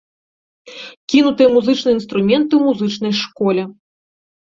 Кінутыя музычныя інструменты ў музычнай школе.